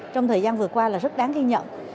trong thời gian vừa qua là rất đáng ghi nhận